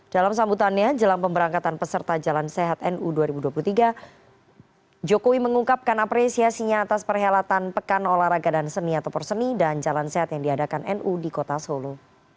dalam sambutannya jelang pemberangkatan peserta jalan sehat nu dua ribu dua puluh tiga jokowi mengungkapkan apresiasinya atas perhelatan pekan olahraga dan seni atau perseni dan jalan sehat yang diadakan nu di kota solo